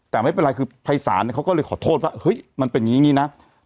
แต่ไม่เป็นไรคือภัยศาลเขาก็เลยขอโทษว่าเฮ้ยมันเป็นอย่างนี้นะ